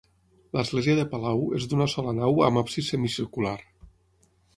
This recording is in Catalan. L'església de Palau és d'una sola nau amb absis semicircular.